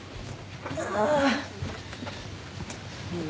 ああ。